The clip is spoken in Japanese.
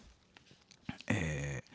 え